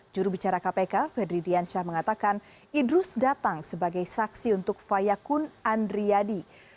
jurubicara kpk ferdinand syah mengatakan idrus datang sebagai saksi untuk fayakun adriandi